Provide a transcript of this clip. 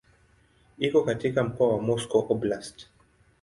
Iko katika mkoa wa Moscow Oblast.